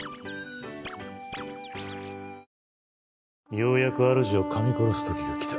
ようやくあるじを噛み殺す時が来た。